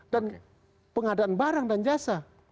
dan pengadaan barang dan jasa